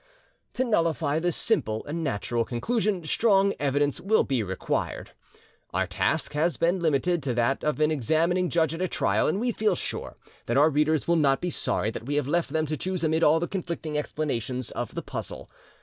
To nullify this simple and natural conclusion strong evidence will be required. Our task has been limited to that of an examining judge at a trial, and we feel sure that our readers will not be sorry that we have left them to choose amid all the conflicting explanations of the puzzle.